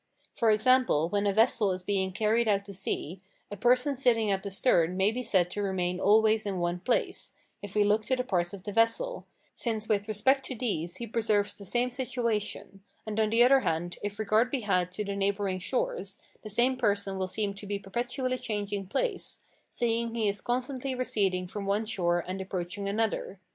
For example, when a vessel is being carried out to sea, a person sitting at the stern may be said to remain always in one place, if we look to the parts of the vessel, since with respect to these he preserves the same situation; and on the other hand, if regard be had to the neighbouring shores, the same person will seem to be perpetually changing place, seeing he is constantly receding from one shore and approaching another.